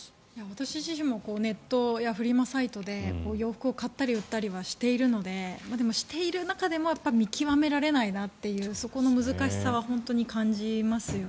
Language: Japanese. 私自身もネットやフリマサイトで洋服を買ったり、売ったりはしているのででも、している中でも見極められないなというそこの難しさは本当に感じますよね。